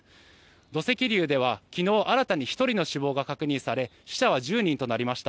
土石流では昨日、新たに１人の死亡が確認され死者は１０人となりました。